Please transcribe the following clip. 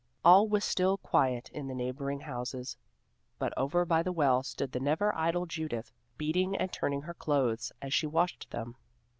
All was still quiet in the neighboring houses, but over by the well stood the never idle Judith, beating and turning her clothes as she washed them.